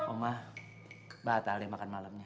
oma batal ya makan malamnya